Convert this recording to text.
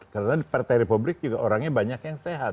karena di partai republik juga orangnya banyak yang sehat